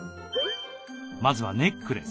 まずはネックレス。